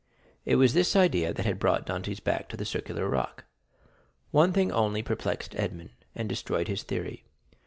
It was this idea that had brought Dantès back to the circular rock. One thing only perplexed Edmond, and destroyed his theory.